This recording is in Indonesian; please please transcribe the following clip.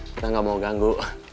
kita gak mau ganggu